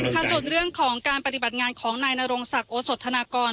ค่ะส่วนเรื่องของการปฏิบัติงานของนายนรงศักดิ์โอสธนากร